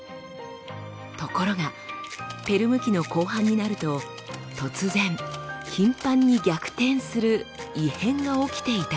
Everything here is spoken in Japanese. ところがペルム紀の後半になると突然頻繁に逆転する異変が起きていたのです。